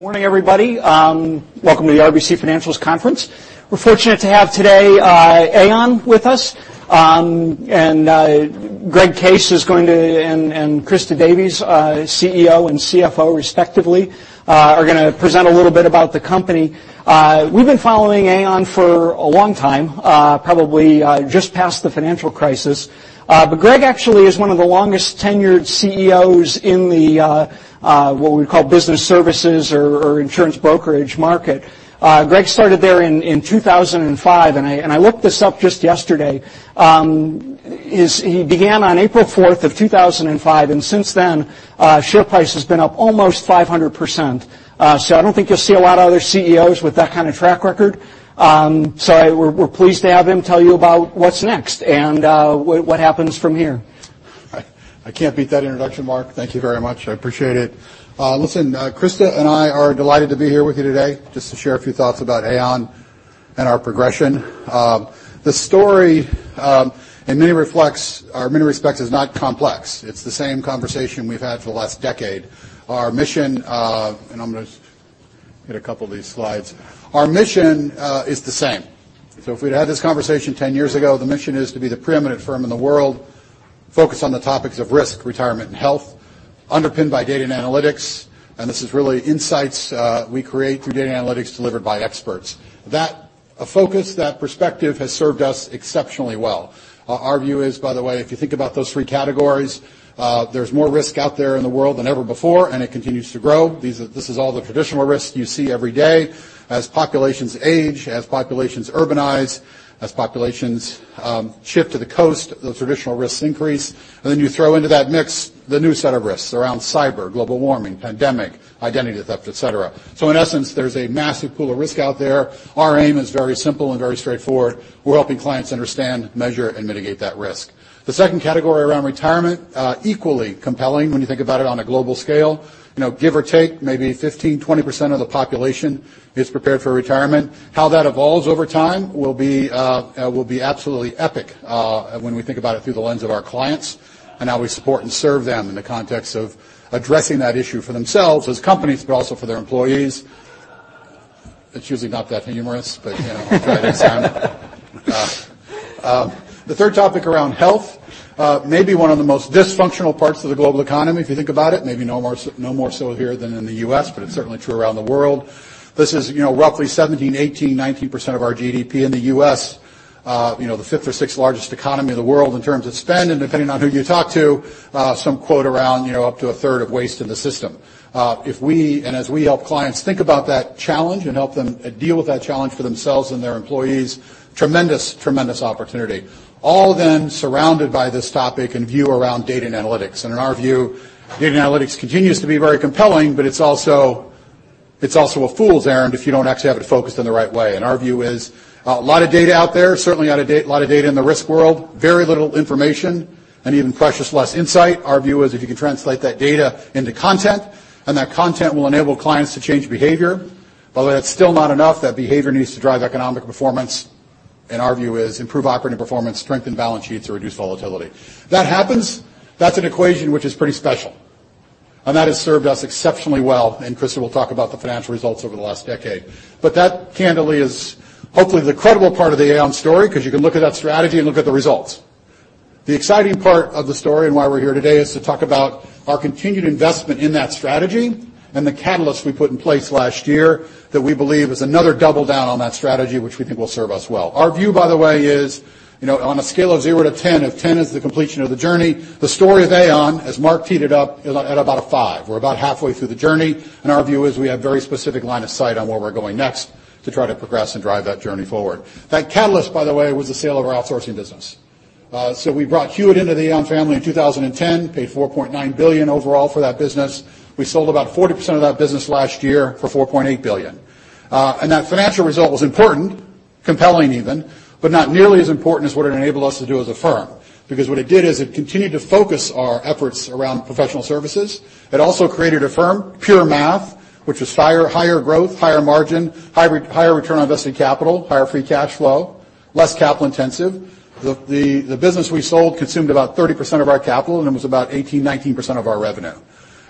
Morning, everybody. Welcome to the RBC Financials Conference. We're fortunate to have today Aon with us. Greg Case and Christa Davies, CEO and CFO, respectively, are going to present a little bit about the company. We've been following Aon for a long time, probably just past the financial crisis. Greg actually is one of the longest-tenured CEOs in the, what we call business services or insurance brokerage market. Greg started there in 2005, and I looked this up just yesterday, he began on April 4th of 2005, and since then, share price has been up almost 500%. I don't think you'll see a lot of other CEOs with that kind of track record. We're pleased to have him tell you about what's next and what happens from here. I can't beat that introduction, Mark. Thank you very much. I appreciate it. Listen, Christa and I are delighted to be here with you today just to share a few thoughts about Aon and our progression. The story in many respects is not complex. It's the same conversation we've had for the last decade. I'm going to hit a couple of these slides. Our mission is the same. If we'd had this conversation 10 years ago, the mission is to be the preeminent firm in the world, focused on the topics of risk, retirement, and health, underpinned by data and analytics. This is really insights we create through data analytics delivered by experts. That focus, that perspective, has served us exceptionally well. Our view is, by the way, if you think about those three categories, there's more risk out there in the world than ever before, and it continues to grow. This is all the traditional risks you see every day. As populations age, as populations urbanize, as populations shift to the coast, those traditional risks increase. Then you throw into that mix the new set of risks around cyber, global warming, pandemic, identity theft, et cetera. In essence, there's a massive pool of risk out there. Our aim is very simple and very straightforward. We're helping clients understand, measure, and mitigate that risk. The second category around retirement, equally compelling when you think about it on a global scale. Give or take, maybe 15%, 20% of the population is prepared for retirement. How that evolves over time will be absolutely epic, when we think about it through the lens of our clients and how we support and serve them in the context of addressing that issue for themselves as companies, but also for their employees. It's usually not that humorous, but you know. The third topic around health, maybe one of the most dysfunctional parts of the global economy, if you think about it. Maybe no more so here than in the U.S., but it's certainly true around the world. This is roughly 17%, 18%, 19% of our GDP in the U.S. The fifth or sixth-largest economy in the world in terms of spend, depending on who you talk to, some quote around up to a third of waste in the system. As we help clients think about that challenge and help them deal with that challenge for themselves and their employees, tremendous opportunity. All of them surrounded by this topic and view around data and analytics. In our view, data and analytics continues to be very compelling, but it's also a fool's errand if you don't actually have it focused in the right way. Our view is a lot of data out there, certainly a lot of data in the risk world, very little information and even precious less insight. Our view is if you can translate that data into content. That content will enable clients to change behavior. That's still not enough. That behavior needs to drive economic performance. Our view is improve operating performance, strengthen balance sheets, or reduce volatility. That happens, that's an equation which is pretty special. That has served us exceptionally well. Christa will talk about the financial results over the last decade. That, candidly, is hopefully the credible part of the Aon story because you can look at that strategy and look at the results. The exciting part of the story and why we're here today is to talk about our continued investment in that strategy and the catalyst we put in place last year that we believe is another double down on that strategy, which we think will serve us well. Our view, by the way, is on a scale of 0 to 10, if 10 is the completion of the journey, the story of Aon, as Mark teed it up, is at about a five. We're about halfway through the journey. Our view is we have very specific line of sight on where we're going next to try to progress and drive that journey forward. That catalyst, by the way, was the sale of our outsourcing business. We brought Hewitt into the Aon family in 2010, paid $4.9 billion overall for that business. We sold about 40% of that business last year for $4.8 billion. That financial result was important, compelling even, but not nearly as important as what it enabled us to do as a firm. What it did is it continued to focus our efforts around professional services. Also created a firm, pure math, which was higher growth, higher margin, higher return on invested capital, higher free cash flow, less capital intensive. The business we sold consumed about 30% of our capital, and it was about 18%, 19% of our revenue.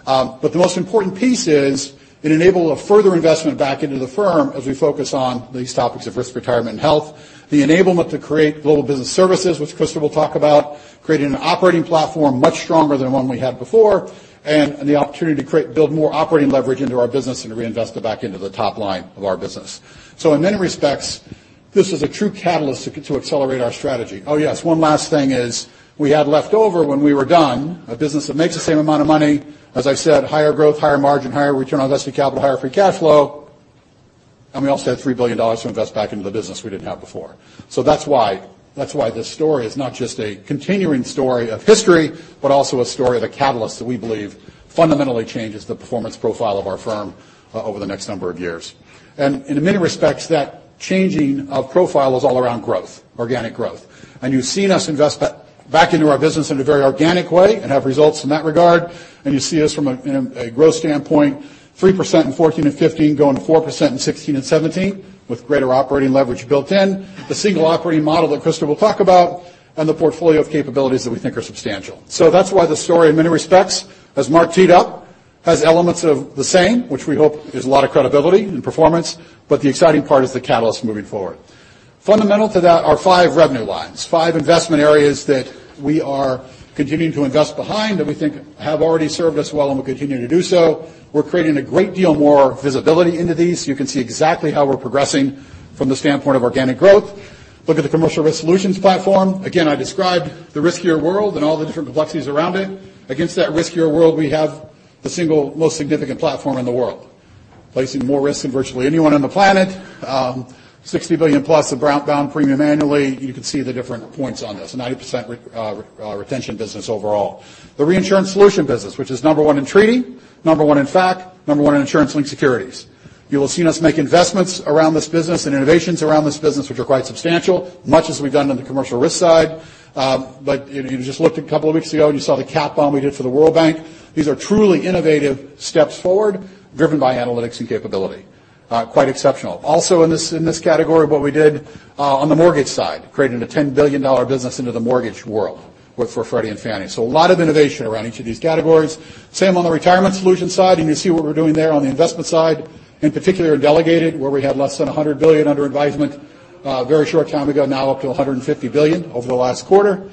The most important piece is it enabled a further investment back into the firm as we focus on these topics of risk, retirement, and health. The enablement to create Global Business Services, which Christa will talk about. Creating an operating platform much stronger than the one we had before. The opportunity to build more operating leverage into our business and to reinvest it back into the top line of our business. In many respects, this is a true catalyst to accelerate our strategy. Oh yes, one last thing is we had left over when we were done a business that makes the same amount of money. As I said, higher growth, higher margin, higher return on invested capital, higher free cash flow. We also had $3 billion to invest back into the business we didn't have before. That's why this story is not just a continuing story of history, but also a story of the catalyst that we believe fundamentally changes the performance profile of our firm over the next number of years. In many respects, that changing of profile is all around growth, organic growth. You've seen us invest back into our business in a very organic way and have results in that regard. You see us from a growth standpoint, 3% in 2014 and 2015, going 4% in 2016 and 2017 with greater operating leverage built in. The single operating model that Christa will talk about and the portfolio of capabilities that we think are substantial. That's why the story in many respects, as Mark teed up, has elements of the same, which we hope is a lot of credibility and performance, but the exciting part is the catalyst moving forward. Fundamental to that are five revenue lines, five investment areas that we are continuing to invest behind that we think have already served us well and will continue to do so. We're creating a great deal more visibility into these. You can see exactly how we're progressing from the standpoint of organic growth. Look at the Commercial Risk Solutions platform. Again, I described the riskier world and all the different complexities around it. Against that riskier world, we have the single most significant platform in the world, placing more risk than virtually anyone on the planet. $60 billion plus of bound premium annually. You can see the different points on this. A 90% retention business overall. The Reinsurance Solutions business, which is number one in treaty, number one in fac, number one in insurance-linked securities. You will have seen us make investments around this business and innovations around this business, which are quite substantial, much as we've done on the Commercial Risk side. You just looked a couple of weeks ago, and you saw the cat bond we did for the World Bank. These are truly innovative steps forward driven by analytics and capability. Quite exceptional. Also in this category of what we did on the mortgage side, creating a $10 billion business into the mortgage world for Freddie Mac and Fannie Mae. A lot of innovation around each of these categories. Same on the Retirement Solutions side, and you see what we're doing there on the investment side. In particular, in delegated, where we had less than $100 billion under advisement a very short time ago, now up to $150 billion over the last quarter.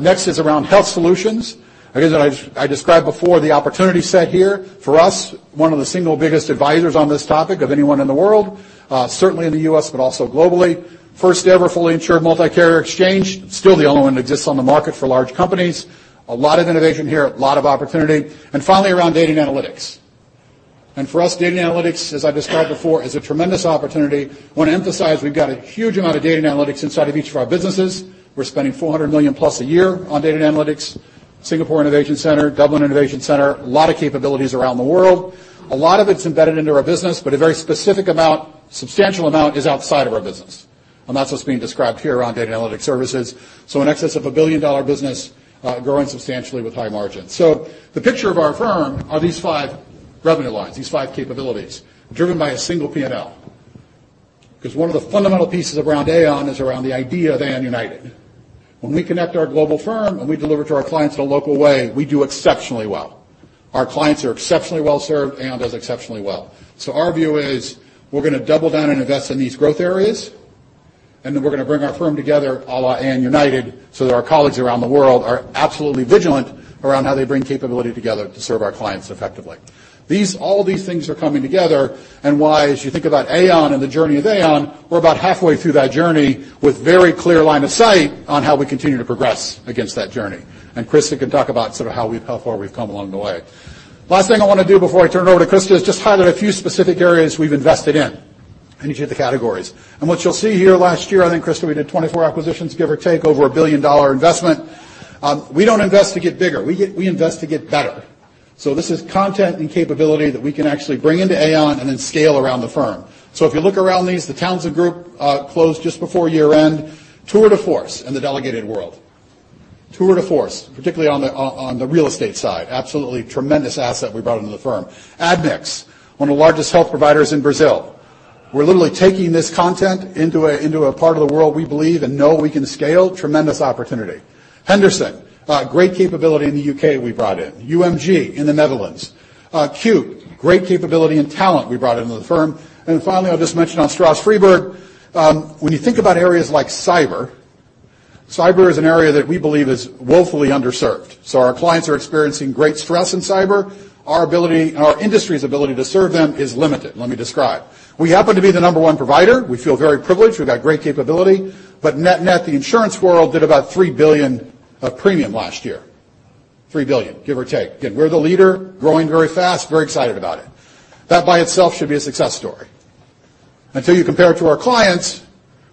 Next is around Health Solutions. Again, I described before the opportunity set here for us, one of the single biggest advisors on this topic of anyone in the world. Certainly in the U.S., but also globally. First ever fully insured multi-carrier exchange. Still the only one that exists on the market for large companies. A lot of innovation here, a lot of opportunity. Finally, around data and analytics. For us, data and analytics, as I described before, is a tremendous opportunity. Want to emphasize, we've got a huge amount of data and analytics inside of each of our businesses. We're spending $400 million plus a year on data and analytics. Singapore Innovation Center, Dublin Innovation Center. A lot of capabilities around the world. A lot of it's embedded into our business, but a very specific amount, substantial amount, is outside of our business. That's what's being described here around Data & Analytic Services. In excess of a billion-dollar business growing substantially with high margins. The picture of our firm are these five revenue lines, these five capabilities driven by a single P&L. One of the fundamental pieces around Aon is around the idea of Aon United. When we connect our global firm and we deliver to our clients in a local way, we do exceptionally well. Our clients are exceptionally well-served. Aon does exceptionally well. Our view is we're going to double down and invest in these growth areas, then we're going to bring our firm together a la Aon United, so that our colleagues around the world are absolutely vigilant around how they bring capability together to serve our clients effectively. All these things are coming together why, as you think about Aon and the journey of Aon, we're about halfway through that journey with very clear line of sight on how we continue to progress against that journey. Christa can talk about sort of how far we've come along the way. Last thing I want to do before I turn it over to Christa is just highlight a few specific areas we've invested in in each of the categories. What you'll see here, last year, I think, Christa, we did 24 acquisitions, give or take, over a billion-dollar investment. We don't invest to get bigger. We invest to get better. This is content and capability that we can actually bring into Aon and then scale around the firm. If you look around these, The Townsend Group closed just before year-end. Tour de force in the delegated world. Tour de force, particularly on the real estate side. Absolutely tremendous asset we brought into the firm. Admix, one of the largest health providers in Brazil. We're literally taking this content into a part of the world we believe and know we can scale. Tremendous opportunity. Henderson, great capability in the U.K. we brought in. UMG in the Netherlands. cut-e, great capability and talent we brought into the firm. Finally, I'll just mention on Stroz Friedberg. When you think about areas like cyber is an area that we believe is woefully underserved. Our clients are experiencing great stress in cyber. Our ability and our industry's ability to serve them is limited. Let me describe. We happen to be the number one provider. We feel very privileged. We've got great capability. Net-net, the insurance world did about $3 billion of premium last year. $3 billion, give or take. Again, we're the leader, growing very fast. Very excited about it. That by itself should be a success story until you compare it to our clients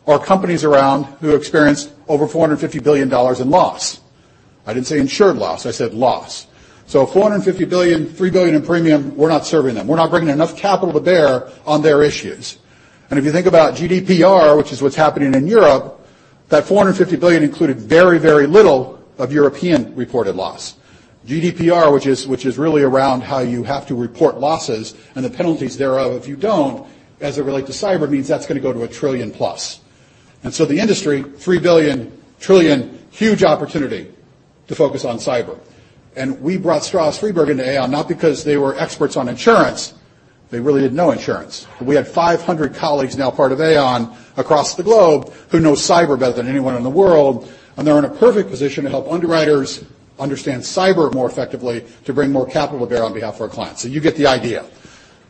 or companies around who experienced over $450 billion in loss. I didn't say insured loss, I said loss. $450 billion, $3 billion in premium. We're not serving them. We're not bringing enough capital to bear on their issues. If you think about GDPR, which is what's happening in Europe, that $450 billion included very, very little of European reported loss. GDPR, which is really around how you have to report losses and the penalties thereof if you don't, as it relate to cyber, means that's going to go to a trillion plus. The industry, trillion, huge opportunity to focus on cyber. We brought Stroz Friedberg into Aon not because they were experts on insurance. They really did no insurance. We had 500 colleagues, now part of Aon, across the globe who know cyber better than anyone in the world. They're in a perfect position to help underwriters understand cyber more effectively to bring more capital to bear on behalf of our clients. You get the idea.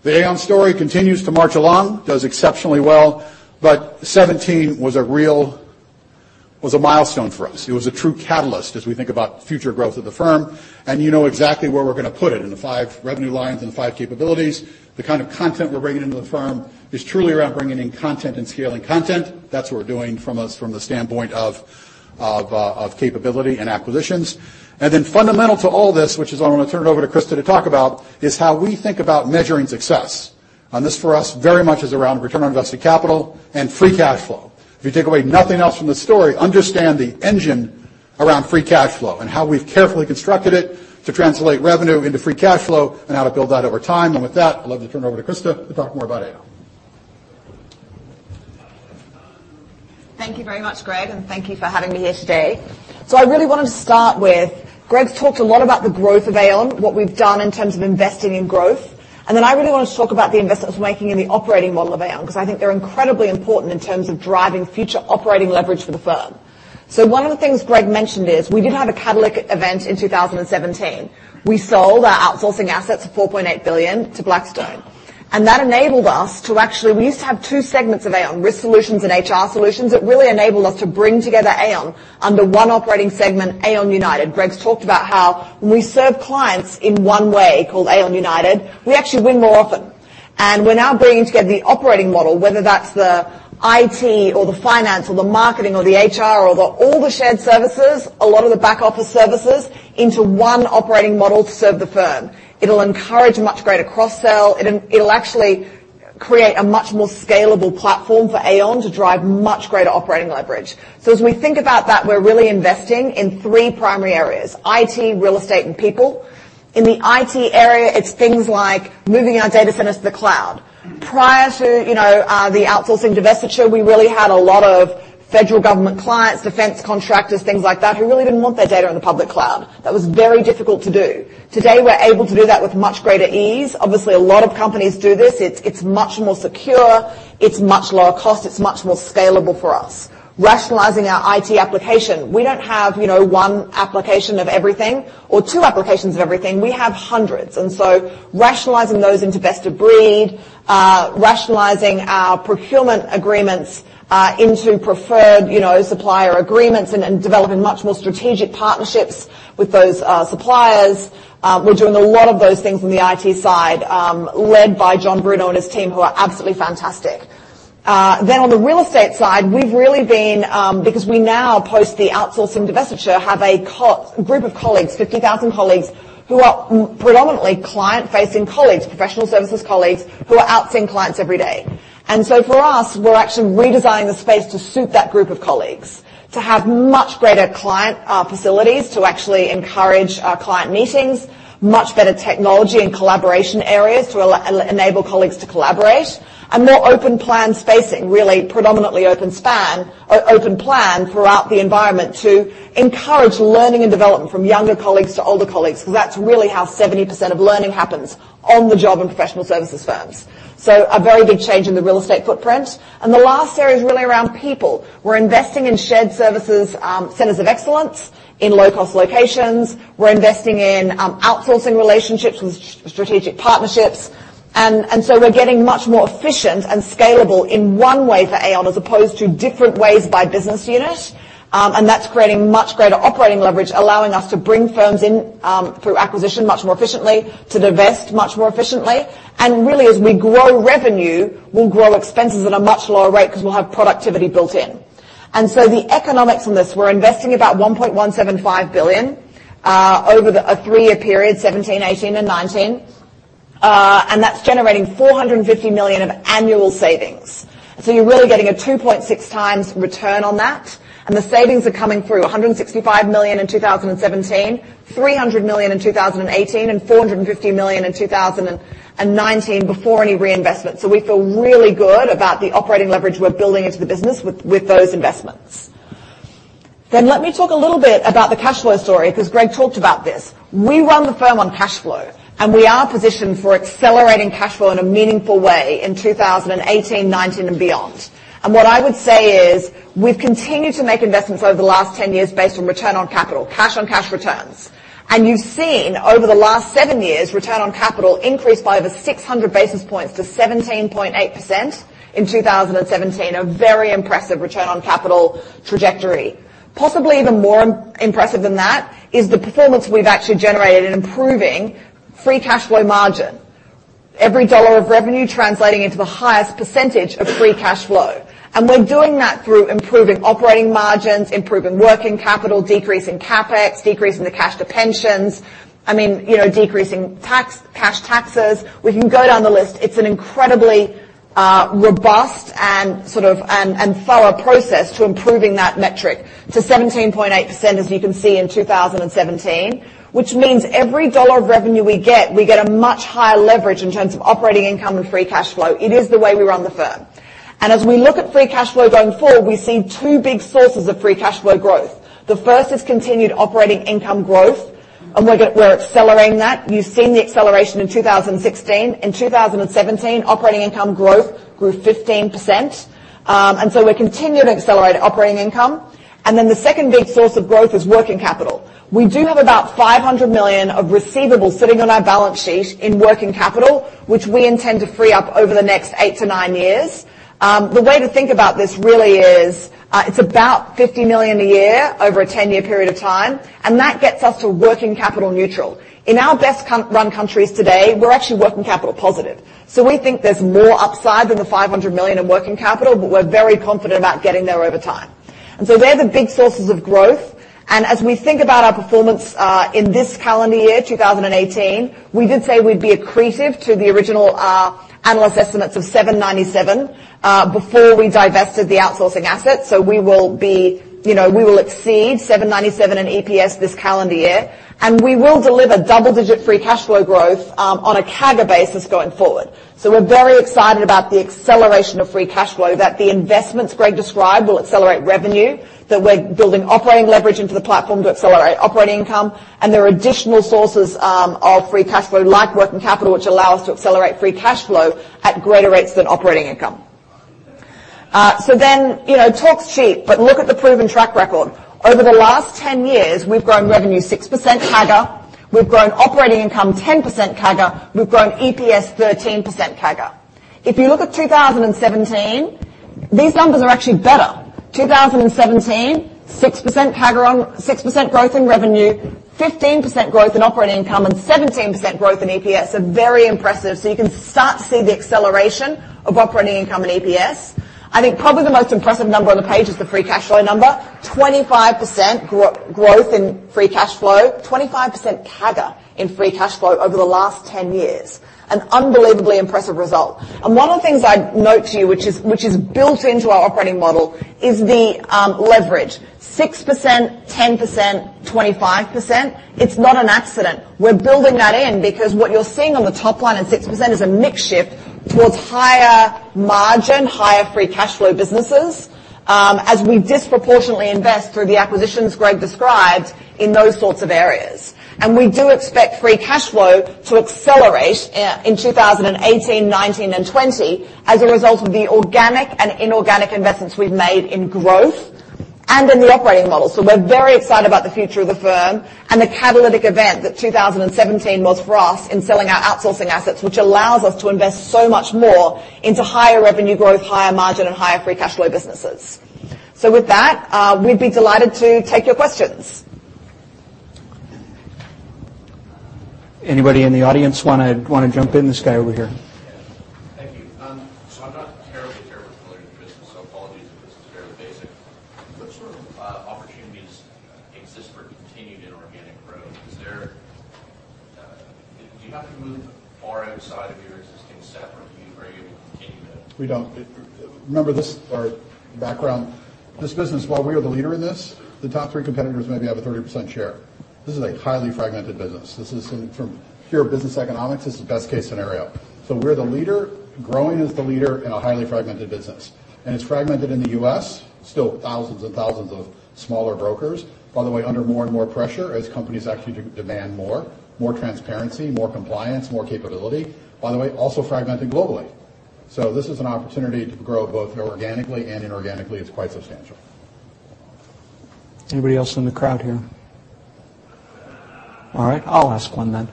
The Aon story continues to march along, does exceptionally well. 2017 was a milestone for us. It was a true catalyst as we think about future growth of the firm, and you know exactly where we're going to put it in the five revenue lines and the five capabilities. The kind of content we're bringing into the firm is truly around bringing in content and scaling content. That's what we're doing from the standpoint of capability and acquisitions. Fundamental to all this, which is what I want to turn it over to Christa to talk about, is how we think about measuring success. This, for us, very much is around return on invested capital and free cash flow. If you take away nothing else from this story, understand the engine around free cash flow and how we've carefully constructed it to translate revenue into free cash flow and how to build that over time. With that, I'd love to turn it over to Christa to talk more about Aon. Thank you very much, Greg, and thank you for having me here today. I really wanted to start with, Greg's talked a lot about the growth of Aon, what we've done in terms of investing in growth. I really want to talk about the investments we're making in the operating model of Aon, because I think they're incredibly important in terms of driving future operating leverage for the firm. One of the things Greg mentioned is, we did have a catalytic event in 2017. We sold our outsourcing assets of $4.8 billion to Blackstone. That enabled us to We used to have two segments of Aon, Risk Solutions and HR Solutions. It really enabled us to bring together Aon under one operating segment, Aon United. Greg's talked about how when we serve clients in one way, called Aon United, we actually win more often. We're now bringing together the operating model, whether that's the IT or the finance or the marketing or the HR or all the shared services, a lot of the back office services, into one operating model to serve the firm. It'll encourage much greater cross-sell. It'll actually create a much more scalable platform for Aon to drive much greater operating leverage. As we think about that, we're really investing in three primary areas, IT, real estate, and people. In the IT area, it's things like moving our data centers to the cloud. Prior to the outsourcing divestiture, we really had a lot of federal government clients, defense contractors, things like that, who really didn't want their data in the public cloud. That was very difficult to do. Today, we're able to do that with much greater ease. Obviously, a lot of companies do this. It's much more secure, it's much lower cost, it's much more scalable for us. Rationalizing our IT application. We don't have one application of everything or two applications of everything. We have hundreds. Rationalizing those into best of breed, rationalizing our procurement agreements into preferred supplier agreements and developing much more strategic partnerships with those suppliers. We're doing a lot of those things on the IT side, led by John Bruno and his team, who are absolutely fantastic. On the real estate side, we've really been, because we now, post the outsourcing divestiture, have a group of colleagues, 50,000 colleagues, who are predominantly client-facing colleagues, professional services colleagues, who are out seeing clients every day. For us, we're actually redesigning the space to suit that group of colleagues, to have much greater client facilities to actually encourage our client meetings, much better technology and collaboration areas to enable colleagues to collaborate, and more open plan spacing, really predominantly open plan throughout the environment to encourage learning and development from younger colleagues to older colleagues, because that's really how 70% of learning happens on the job in professional services firms. A very big change in the real estate footprint. The last area is really around people. We're investing in shared services centers of excellence in low-cost locations. We're investing in outsourcing relationships with strategic partnerships. We're getting much more efficient and scalable in one way for Aon, as opposed to different ways by business unit, and that's creating much greater operating leverage, allowing us to bring firms in through acquisition much more efficiently, to divest much more efficiently. Really, as we grow revenue, we'll grow expenses at a much lower rate because we'll have productivity built in. The economics on this, we're investing about $1.175 billion over a three-year period, 2017, 2018, and 2019, and that's generating $450 million of annual savings. So you're really getting a 2.6 times return on that. The savings are coming through, $165 million in 2017, $300 million in 2018, and $450 million in 2019 before any reinvestment. We feel really good about the operating leverage we're building into the business with those investments. Let me talk a little bit about the cash flow story, because Greg talked about this. We run the firm on cash flow, and we are positioned for accelerating cash flow in a meaningful way in 2018, 2019, and beyond. What I would say is we've continued to make investments over the last 10 years based on return on capital, cash on cash returns. You've seen over the last seven years, return on capital increased by over 600 basis points to 17.8% in 2017, a very impressive return on capital trajectory. Possibly even more impressive than that is the performance we've actually generated in improving free cash flow margin. Every dollar of revenue translating into the highest percentage of free cash flow. We're doing that through improving operating margins, improving working capital, decreasing CapEx, decreasing the cash to pensions. I mean, decreasing cash taxes. We can go down the list. It's an incredibly robust and thorough process to improving that metric to 17.8%, as you can see, in 2017, which means every dollar of revenue we get, we get a much higher leverage in terms of operating income and free cash flow. It is the way we run the firm. As we look at free cash flow going forward, we see two big sources of free cash flow growth. The first is continued operating income growth, and we're accelerating that. You've seen the acceleration in 2016. In 2017, operating income growth grew 15%, we're continuing to accelerate operating income. The second big source of growth is working capital. We do have about $500 million of receivables sitting on our balance sheet in working capital, which we intend to free up over the next eight to nine years. The way to think about this really is it's about $50 million a year over a 10-year period of time, that gets us to working capital neutral. In our best run countries today, we're actually working capital positive. We think there's more upside than the $500 million in working capital, but we're very confident about getting there over time. They're the big sources of growth. As we think about our performance in this calendar year, 2018, we did say we'd be accretive to the original analyst estimates of $7.97 before we divested the outsourcing assets. We will exceed $7.97 in EPS this calendar year, and we will deliver double-digit free cash flow growth on a CAGR basis going forward. We're very excited about the acceleration of free cash flow, that the investments Greg described will accelerate revenue, that we're building operating leverage into the platform to accelerate operating income, and there are additional sources of free cash flow, like working capital, which allow us to accelerate free cash flow at greater rates than operating income. Talk's cheap, but look at the proven track record. Over the last 10 years, we've grown revenue 6% CAGR. We've grown operating income 10% CAGR. We've grown EPS 13% CAGR. If you look at 2017, these numbers are actually better. 2017, 6% growth in revenue, 15% growth in operating income, and 17% growth in EPS, are very impressive. You can start to see the acceleration of operating income and EPS. I think probably the most impressive number on the page is the free cash flow number, 25% growth in free cash flow, 25% CAGR in free cash flow over the last 10 years. An unbelievably impressive result. One of the things I'd note to you, which is built into our operating model, is the leverage. 6%, 10%, 25%, it's not an accident. We're building that in because what you're seeing on the top line at 6% is a mix shift towards higher margin, higher free cash flow businesses, as we disproportionately invest through the acquisitions Greg described in those sorts of areas. We do expect free cash flow to accelerate in 2018, 2019, and 2020 as a result of the organic and inorganic investments we've made in growth and in the operating model. We're very excited about the future of the firm and the catalytic event that 2017 was for us in selling our outsourcing assets, which allows us to invest so much more into higher revenue growth, higher margin, and higher free cash flow businesses. With that, we'd be delighted to take your questions. Anybody in the audience want to jump in? This guy over here. Yeah. Thank you. I'm not terribly familiar with the business, so apologies if this is very basic. What sort of opportunities exist for continued inorganic growth? Do you have to move far outside of your existing set or can you continue? We don't. Remember this, our background, this business, while we are the leader in this, the top three competitors maybe have a 30% share. This is a highly fragmented business. From pure business economics, this is best case scenario. We're the leader, growing as the leader in a highly fragmented business. It's fragmented in the U.S., still thousands and thousands of smaller brokers, by the way, under more and more pressure as companies actually demand more, more transparency, more compliance, more capability. By the way, also fragmented globally. This is an opportunity to grow both organically and inorganically. It's quite substantial. Anybody else in the crowd here? All right, I'll ask one then.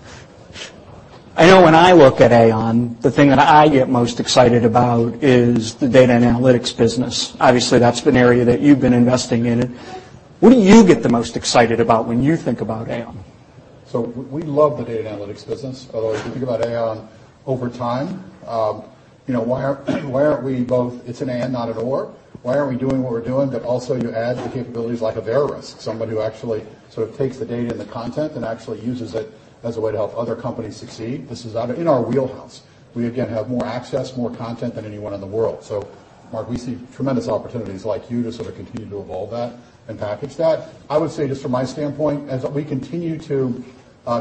I know when I look at Aon, the thing that I get most excited about is the data analytics business. Obviously, that's been an area that you've been investing in. What do you get the most excited about when you think about Aon? We love the data analytics business, although if you think about Aon over time, why aren't we both, it's an and not an or. Why aren't we doing what we're doing, but also you add the capabilities like of AIR Worldwide, somebody who actually sort of takes the data and the content and actually uses it as a way to help other companies succeed. This is in our wheelhouse. We again, have more access, more content than anyone in the world. Mark, we see tremendous opportunities like you to sort of continue to evolve that and package that. I would say just from my standpoint, as we continue to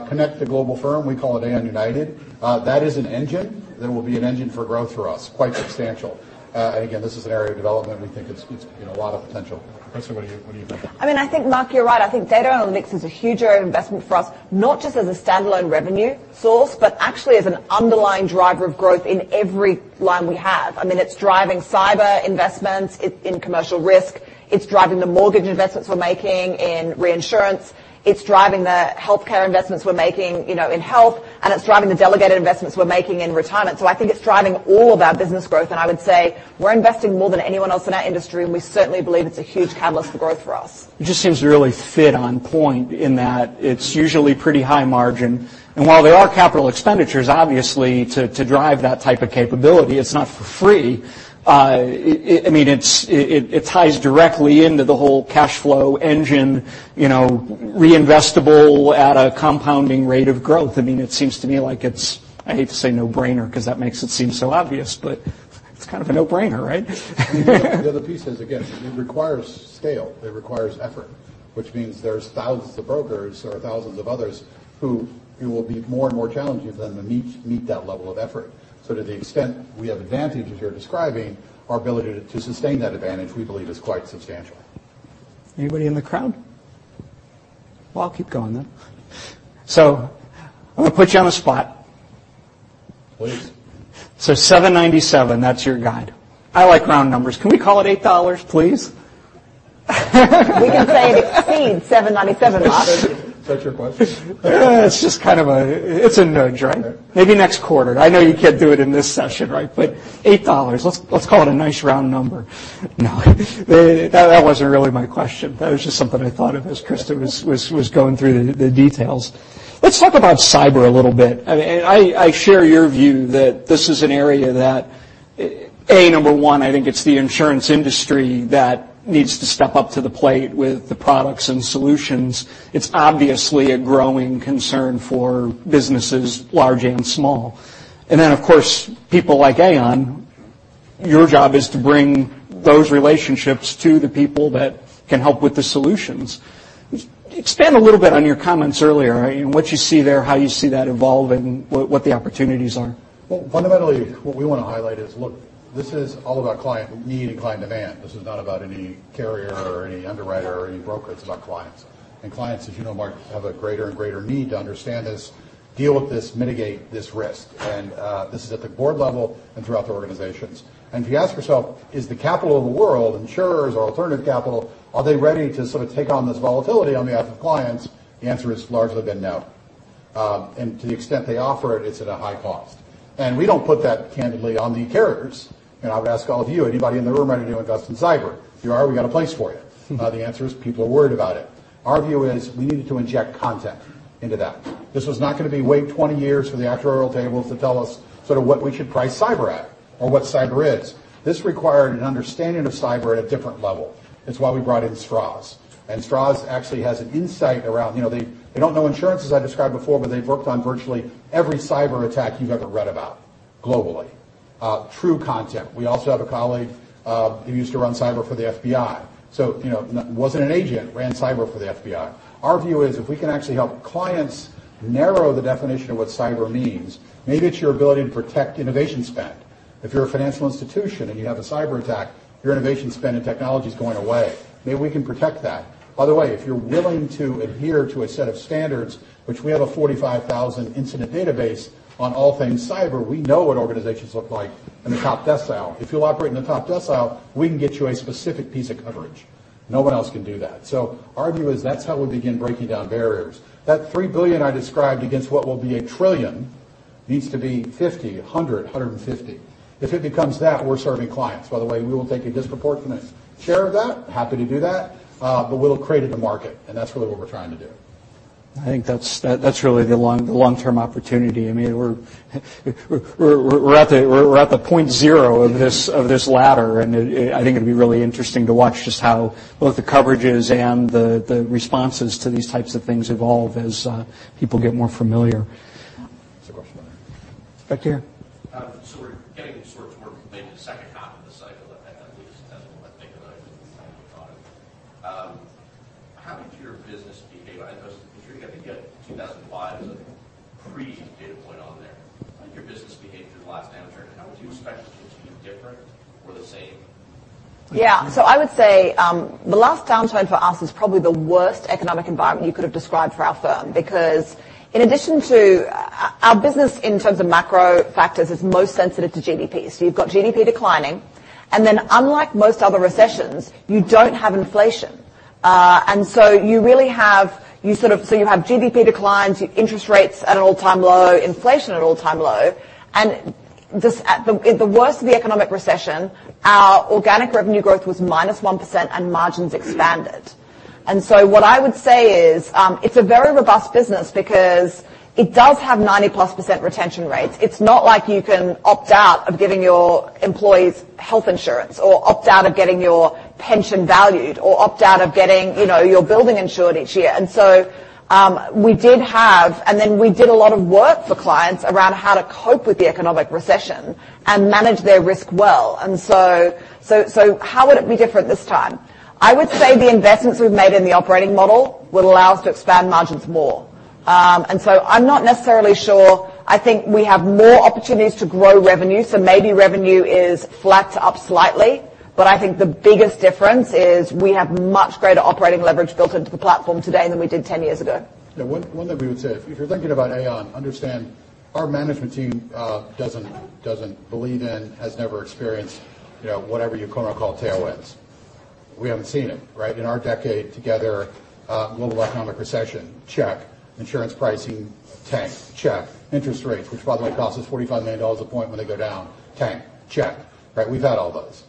connect the global firm, we call it Aon United, that is an engine that will be an engine for growth for us, quite substantial. Again, this is an area of development we think it's got a lot of potential. Christa, what do you think? I think Mark, you're right. I think data analytics is a huge area of investment for us, not just as a standalone revenue source, but actually as an underlying driver of growth in every line we have. It's driving cyber investments. It's in Commercial Risk. It's driving the mortgage investments we're making in Reinsurance. It's driving the healthcare investments we're making in Health, and it's driving the delegated investments we're making in Retirement. I think it's driving all of our business growth. I would say we're investing more than anyone else in our industry, and we certainly believe it's a huge catalyst for growth for us. It just seems really fit on point in that it's usually pretty high margin. While there are capital expenditures, obviously, to drive that type of capability, it's not for free. It ties directly into the whole cash flow engine, reinvestable at a compounding rate of growth. It seems to me like I hate to say no-brainer because that makes it seem so obvious, but it's kind of a no-brainer, right? The other piece is, again, it requires scale, it requires effort, which means there's thousands of brokers or thousands of others who it will be more and more challenging for them to meet that level of effort. To the extent we have advantages you're describing, our ability to sustain that advantage, we believe is quite substantial. Anybody in the crowd? Well, I'll keep going then. I'm going to put you on the spot. Please. $7.97, that's your guide. I like round numbers. Can we call it $8, please? We can say exceed $7.97. Is that your question? It's a nudge, right? Okay. Maybe next quarter. I know you can't do it in this session, right? $8, let's call it a nice round number. No, that wasn't really my question. That was just something I thought of as Christa was going through the details. Let's talk about cyber a little bit. I share your view that this is an area that, A, number one, I think it's the insurance industry that needs to step up to the plate with the products and solutions. It's obviously a growing concern for businesses large and small. Then, of course, people like Aon, your job is to bring those relationships to the people that can help with the solutions. Expand a little bit on your comments earlier, and what you see there, how you see that evolving, what the opportunities are. Fundamentally, what we want to highlight is, look, this is all about client need and client demand. This is not about any carrier or any underwriter or any broker. It's about clients. Clients, as you know, Mark, have a greater and greater need to understand this, deal with this, mitigate this risk. This is at the board level and throughout the organizations. If you ask yourself, is the capital of the world, insurers or alternative capital, are they ready to sort of take on this volatility on behalf of clients? The answer has largely been no. To the extent they offer it's at a high cost. We don't put that candidly on the carriers. I would ask all of you, anybody in the room right here dealing with us in cyber, if you are, we got a place for you. The answer is people are worried about it. Our view is we needed to inject content into that. This was not going to be wait 20 years for the actuarial tables to tell us sort of what we should price cyber at or what cyber is. This required an understanding of cyber at a different level. It's why we brought in Stroz. Stroz actually has an insight around, they don't know insurance as I described before, but they've worked on virtually every cyber attack you've ever read about globally. True content. We also have a colleague who used to run cyber for the FBI. Wasn't an agent, ran cyber for the FBI. Our view is if we can actually help clients narrow the definition of what cyber means, maybe it's your ability to protect innovation spend. If you're a financial institution and you have a cyber attack, your innovation spend and technology's going away. Maybe we can protect that. By the way, if you're willing to adhere to a set of standards, which we have a 45,000 incident database on all things cyber, we know what organizations look like in the top decile. If you'll operate in the top decile, we can get you a specific piece of coverage. No one else can do that. Our view is that's how we begin breaking down barriers. That $3 billion I described against what will be a $1 trillion needs to be $50, $100, $150. If it becomes that, we're serving clients. By the way, we will take a disproportionate share of that. Happy to do that. We'll have created the market, and that's really what we're trying to do. I think that's really the long-term opportunity. I mean, we're at the point 0 of this ladder, and I think it'd be really interesting to watch just how both the coverages and the responses to these types of things evolve as people get more familiar. There's a question there. Back there. We're getting sort of more maybe the second half of the cycle. At least that's what I think about it when I think of the product. How did your business behave? I noticed, because you're going to get 2005 as a pre-data point on there. How did your business behave through the last downturn, and how would you expect it to be different or the same? Yeah. I would say, the last downturn for us was probably the worst economic environment you could have described for our firm. Because in addition to our business in terms of macro factors is most sensitive to GDP. You've got GDP declining, unlike most other recessions, you don't have inflation. You really have GDP declines, your interest rates at an all-time low, inflation at an all-time low. At the worst of the economic recession, our organic revenue growth was minus 1% and margins expanded. What I would say is, it's a very robust business because it does have 90-plus % retention rates. It's not like you can opt out of giving your employees health insurance or opt out of getting your pension valued or opt out of getting your building insured each year. We did have, we did a lot of work for clients around how to cope with the economic recession and manage their risk well. How would it be different this time? I would say the investments we've made in the operating model will allow us to expand margins more. I'm not necessarily sure. I think we have more opportunities to grow revenue, so maybe revenue is flat to up slightly. I think the biggest difference is we have much greater operating leverage built into the platform today than we did 10 years ago. Yeah. One that we would say, if you're thinking about Aon, understand our management team doesn't believe in, has never experienced, whatever you call tailwinds. We haven't seen it, right? In our decade together, global economic recession, check. Insurance pricing tank, check. Interest rates, which by the way, cost us $45 million a point when they go down, tank, check, right? We've had all those.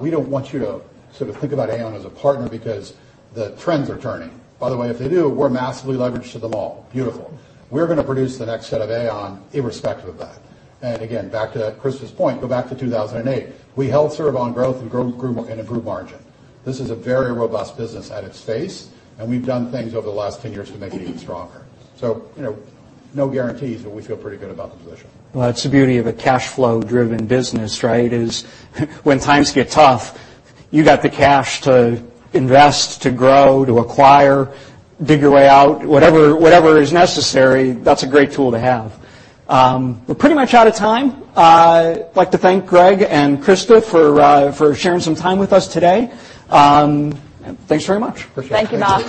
We don't want you to sort of think about Aon as a partner because the trends are turning. By the way, if they do, we're massively leveraged to them all. Beautiful. We're going to produce the next set of Aon irrespective of that. Again, back to that Christa's point, go back to 2008. We help serve on growth and grew margin. This is a very robust business at its face, and we've done things over the last 10 years to make it even stronger. No guarantees, we feel pretty good about the position. Well, that's the beauty of a cash flow driven business, right? Is when times get tough, you got the cash to invest, to grow, to acquire, dig your way out, whatever is necessary. That's a great tool to have. We're pretty much out of time. Like to thank Greg and Christa for sharing some time with us today. Thanks very much. Appreciate it. Thank you, Mark.